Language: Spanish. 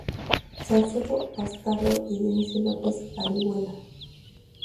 Salcedo Bastardo y Dionisio López Orihuela.